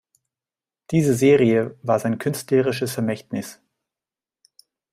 Diese Serie war sein künstlerisches Vermächtnis.